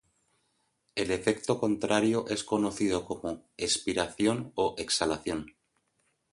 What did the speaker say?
El efecto contrario es conocido como espiración o exhalación.